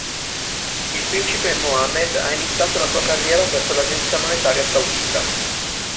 Il principe Mohammed ha iniziato la sua carriera presso l'Agenzia monetaria saudita.